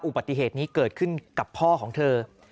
อุบัติเหตุนี้เกิดขึ้นกับพ่อของเธอ